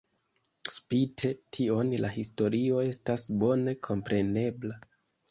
Spite tion la historio estas bone komprenebla.